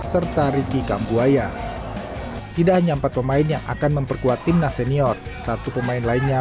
serta ricky kambuaya tidak hanya empat pemain yang akan memperkuat timnas senior satu pemain lainnya